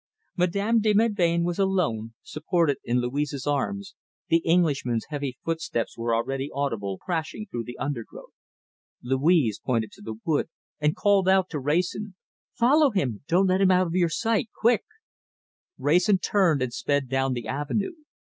Madame de Melbain was alone, supported in Louise's arms, the Englishman's heavy footsteps were already audible, crashing through the undergrowth. Louise pointed to the wood and called out to Wrayson: "Follow him! Don't let him out of your sight! Quick!" Wrayson turned and sped down the avenue.